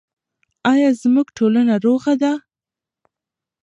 آیا زموږ ټولنه روغه ده؟